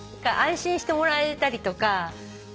安心してもらえたりとか。